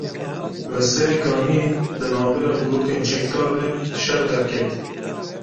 Li Serê Kaniyê di navbera grûpên çekdar de şer derket.